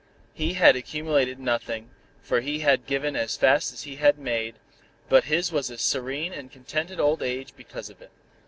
He had accumulated nothing, for he had given as fast as he had made, but his was a serene and contented old age because of it.